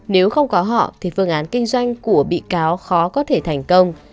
nếu không có họ thì phương án kinh doanh của bị cáo khó có thể thành công